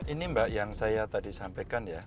ini mbak yang saya tadi sampaikan ya